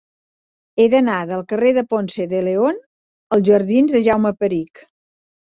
He d'anar del carrer de Ponce de León als jardins de Jaume Perich.